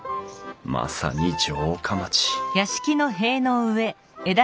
まさに城下町！